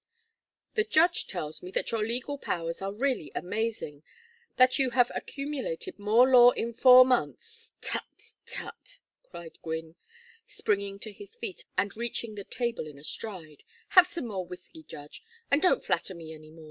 "The judge tells me that your legal powers are really amazing that you have accumulated more law in four months " "Tut! Tut!" cried Gwynne, springing to his feet and reaching the table in a stride. "Have some more whiskey, judge. And don't flatter me any more.